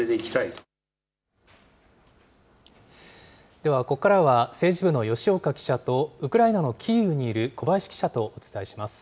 では、ここからは政治部の吉岡記者とウクライナのキーウにいる小林記者とお伝えします。